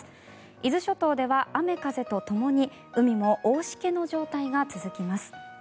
伊豆諸島では雨風とともに海も大しけの状態が続きます。